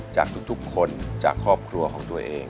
จากทุกคนจากครอบครัวของตัวเอง